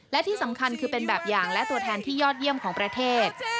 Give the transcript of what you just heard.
และที่สำคัญคือเป็นแบบอย่างและตัวแทนที่ยอดเยี่ยมของประเทศ